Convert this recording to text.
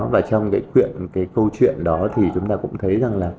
và trong cái quyện cái câu chuyện đó thì chúng ta cũng thấy rằng là